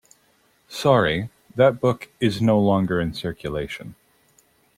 Sorry, that book is no longer in circulation.